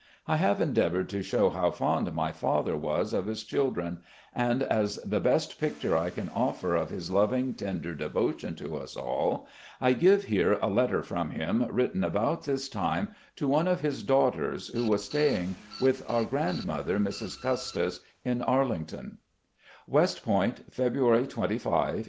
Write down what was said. I have endeav oured to show how fond my father was of his children, and as the best picttire I can offer of his loving, tender devotion to us all, I give here a letter from him written about this time to one of his daughters who was staying with our grandmother, Mrs. Custis, at Arlington: "West Point, February 25, 1853.